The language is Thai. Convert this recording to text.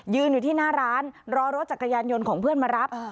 อยู่ที่หน้าร้านรอรถจักรยานยนต์ของเพื่อนมารับ